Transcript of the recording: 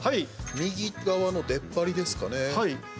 右側のでっぱりですかね。